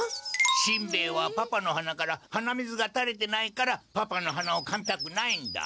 しんべヱはパパの鼻から鼻水がたれてないからパパのはなをかみたくないんだ。